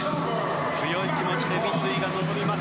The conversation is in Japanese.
強い気持ちで三井が臨みます。